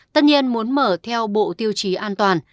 tất nhiên muốn mở theo bộ tiêu chí an toàn